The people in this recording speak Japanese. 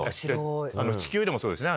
地球でもそうですね。